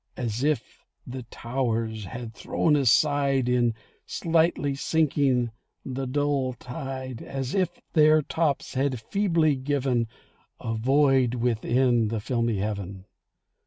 As if the towers had thrown aside, In slightly sinking, the dull tide— As if their tops had feebly given A void within the filmy Heaven.